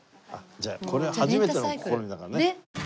これは初めての試みだからね。